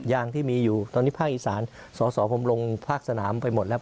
ยังมีอยู่ตอนนี้ภาคอีสานสอสอผมลงภาคสนามไปหมดแล้ว